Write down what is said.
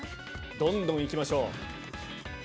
どんどん行きましょう。